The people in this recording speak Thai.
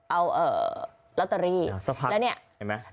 เอาเอ่อลัตเตอรี่สักพันแล้วเนี้ยเห็นไหม